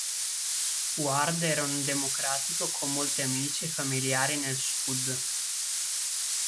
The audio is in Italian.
Ward era un democratico con molti amici e familiari nel sud.